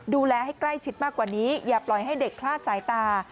ดูแลให้ใกล้ชิดมากกว่านี้อย่าปล่อยให้เด็กคลาดสายตา